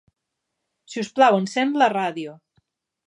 Si us plau, encén la ràdio.